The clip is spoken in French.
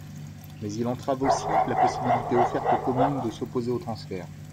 Mais il entrave aussi la possibilité offerte aux communes de s’opposer au transfert.